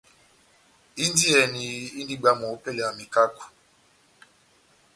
Indiyɛni indi bwámu ópɛlɛ ya mekako.